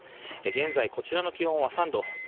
現在こちらの気温は３度。